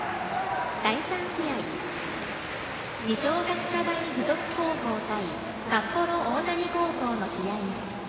第３試合二松学舎大付属高校対札幌大谷高校の試合